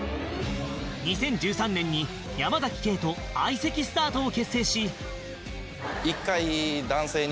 ２０１３年に山ケイと相席スタートを結成し